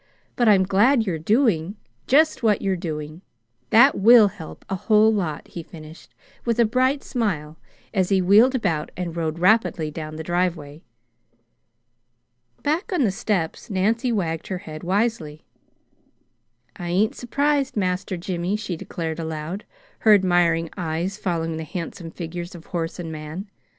But I'm glad you're doing just what you are doing. That WILL help a whole lot," he finished with a bright smile, as he wheeled about and rode rapidly down the driveway. Back on the steps Nancy wagged her head wisely. "I ain't surprised, Master Jimmy," she declared aloud, her admiring eyes following the handsome figures of horse and man.